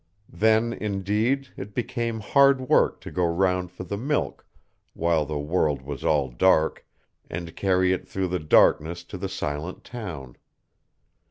Then, indeed, it became hard work to go round for the milk while the world was all dark, and carry it through the darkness to the silent town.